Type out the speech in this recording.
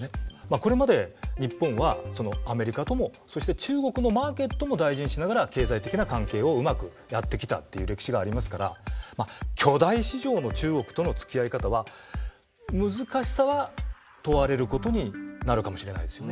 これまで日本はアメリカともそして中国のマーケットも大事にしながら経済的な関係をうまくやってきたっていう歴史がありますから巨大市場の中国とのつきあい方は難しさは問われることになるかもしれないですよね。